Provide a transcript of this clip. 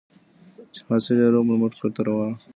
چې حاصل یې روغ رمټ کور ته راوړ.